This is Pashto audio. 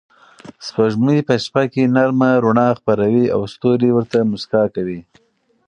سپوږمۍ په شپه کې نرم رڼا خپروي او ستوري ورته موسکا کوي.